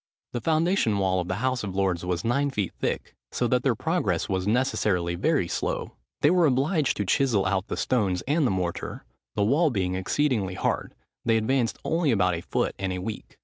The foundation wall of the House of Lords was nine feet thick, so that their progress was necessarily very slow. They were obliged to chisel out the stones and the mortar; the wall being exceedingly hard, they advanced only about a foot in a week.